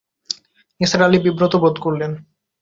নিসার আলি বিব্রত বোধ করলেন।